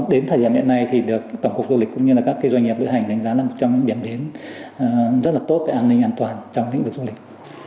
đến thời điểm hiện nay thì được tổng cục du lịch cũng như là các doanh nghiệp lựa hành đánh giá là một trong những điểm đến rất là tốt về an ninh an toàn trong lĩnh vực du lịch